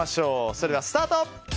それではスタート！